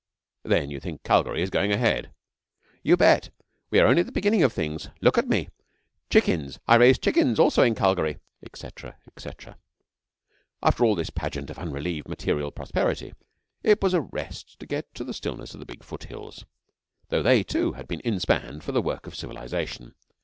'Then you think Calgary is going ahead?' 'You bet! We are only at the beginning of things. Look at me! Chickens? I raise chickens also in Calgary,' etc., etc. After all this pageant of unrelieved material prosperity, it was a rest to get to the stillness of the big foothills, though they, too, had been in spanned for the work of civilisation.